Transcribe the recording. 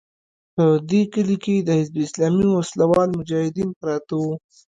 په دې کلي کې د حزب اسلامي وسله وال مجاهدین پراته وو.